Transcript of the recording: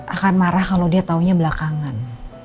akan marah kalau dia taunya belakangan